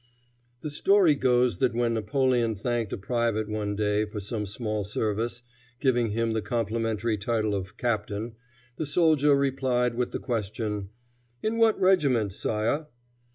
The story goes that when Napoleon thanked a private one day for some small service, giving him the complimentary title of "captain," the soldier replied with the question, "In what regiment, sire?"